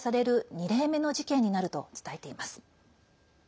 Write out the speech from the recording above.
２例目の事件になると伝えています。